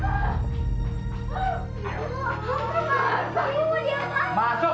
mas aku mau dia pasang